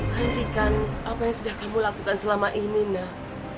hentikan apa yang sudah kamu lakukan selama ini nak